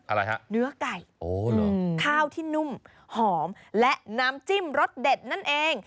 อะไรฮะเนื้อไก่ข้าวที่นุ่มหอมและน้ำจิ้มรสเด็ดนั่นเอง